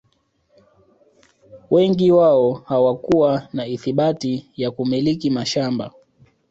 Wengi wao hawakuwa na ithibati ya kumiliki mashamba